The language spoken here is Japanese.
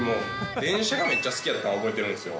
電車がめっちゃ好きやったん覚えてるんですよ。